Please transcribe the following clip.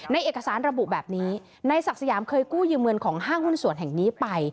เอกสารระบุแบบนี้นายศักดิ์สยามเคยกู้ยืมเงินของห้างหุ้นส่วนแห่งนี้ไป